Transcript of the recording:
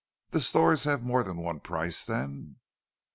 "The stores have more than one price, then?"